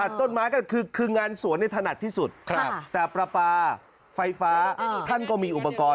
ตัดต้นไม้ก็คืองานสวนถนัดที่สุดแต่ประปาไฟฟ้าท่านก็มีอุปกรณ์